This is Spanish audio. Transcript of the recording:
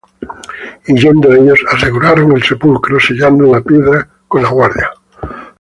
Y yendo ellos, aseguraron el sepulcro, sellando la piedra, con la guardia.